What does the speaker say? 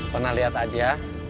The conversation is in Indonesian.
pernah liat aja